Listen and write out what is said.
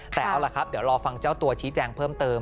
แต่เอาล่ะครับเดี๋ยวรอฟังเจ้าตัวชี้แจงเพิ่มเติม